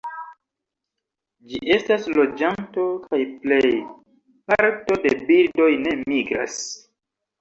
Ĝi estas loĝanto, kaj plej parto de birdoj ne migras.